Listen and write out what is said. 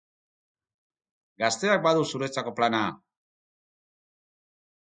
Gazteak badu zuretzako plana!